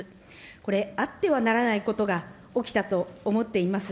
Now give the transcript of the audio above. これ、あってはならないことが起きたと思っています。